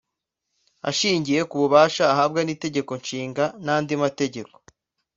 Ashingiye ku bubasha ahabwa n’Itegeko Nshinga n’andi mategeko